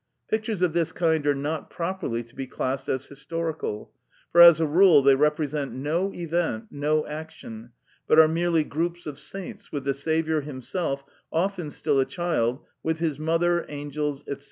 Pictures of this kind are not properly to be classed as historical: for, as a rule, they represent no event, no action; but are merely groups of saints, with the Saviour himself, often still a child, with His mother, angels, &c.